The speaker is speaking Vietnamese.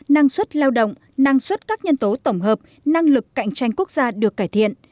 năng suất lao động năng suất các nhân tố tổng hợp năng lực cạnh tranh quốc gia được cải thiện